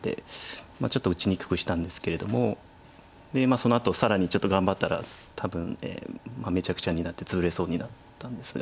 そのあと更にちょっと頑張ったら多分めちゃくちゃになってツブれそうになったんですが。